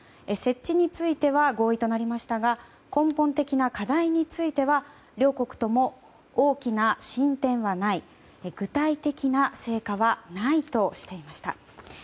設置については合意となりましたが根本的な課題については両国とも大きな進展はない具体的な成果はないとしていました。